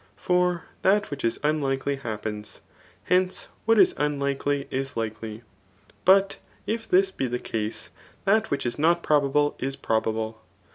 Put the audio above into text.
'' For that which is unlikely happens. Hence, what is unlikely is likely. But if this be the case, that which is not probable is probable.